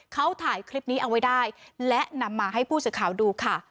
เขาถ่ายคลิปนี้เอาไว้ได้และนำมาให้ผู้สื่อข่าวดูค่ะ